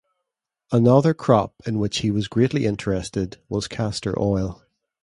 Another crop in which he was greatly interested was castor oil.